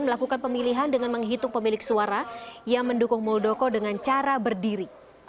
melakukan pemilihan dengan menghitung pemilik suara yang mendukung muldoko dengan cara berdiri